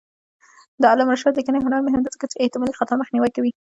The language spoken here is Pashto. د علامه رشاد لیکنی هنر مهم دی ځکه چې احتمالي خطا مخنیوی کوي.